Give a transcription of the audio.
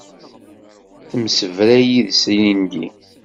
Temsebra yid-s ilindi.